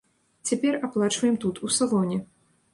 Цяпер аплачваем тут, у салоне!